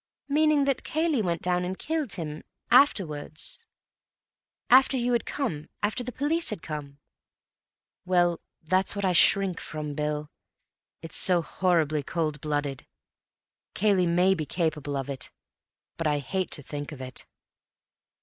"Meaning that Cayley went down and killed him afterwards—after you had come, after the police had come?" "Well, that's what I shrink from, Bill. It's so horribly cold blooded. Cayley may be capable of it, but I hate to think of it."